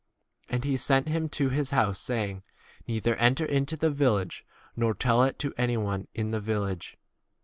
And he sent him to his house, saying, Neither enter into the village, nor tell [it] to any one in the village.